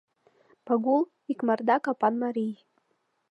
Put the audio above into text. Пагул — икмарда капан марий.